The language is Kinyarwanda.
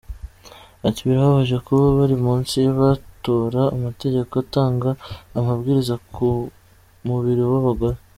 Ati ‘‘Birababaje kuba buri munsi batora amategeko atanga amabwiriza ku mubiri w’abagore.